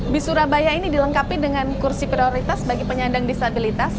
bus surabaya ini dilengkapi dengan kursi prioritas bagi penyandang disabilitas